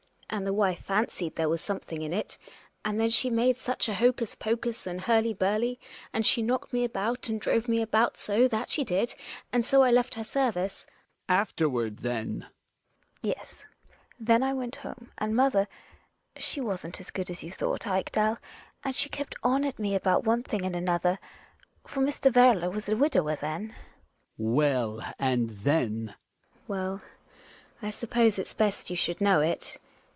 And the wife fancied there was something in it, and then she made such a hocus pocus and hurly burly, and she knocked me about and drove me about so — that she did — and so I left her service. Hjalmar. — Afterward then ! GiNA. Yes. Then I went home. And mother — she wasn't as good as you thought, Ekdal; and she kept on at me about one thing and another — for Mr. Werle was a widower then. Hjalmar. Well, and then ! GiNA. Well, I suppose it's best you should know it.